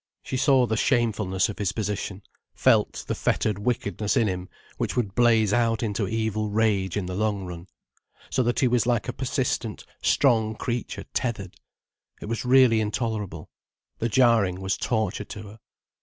She saw the shamefulness of his position, felt the fettered wickedness in him which would blaze out into evil rage in the long run, so that he was like a persistent, strong creature tethered. It was really intolerable. The jarring was torture to her.